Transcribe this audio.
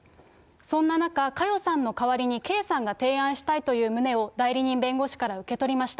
そんな中、佳代さんの代わりに、圭さんが提案したいという旨を代理人弁護士から受け取りました。